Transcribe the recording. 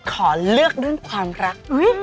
ขอเลือกเรื่องความรัก